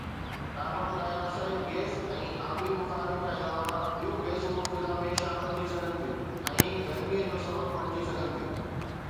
Carbon dioxide gas ۽ آبي بخارن کان علاوه ٻيون گيسون به فضا ۾ شامل ٿي سگهن ٿيون ۽ گرميءَ جو سبب بڻجي سگهن ٿيون.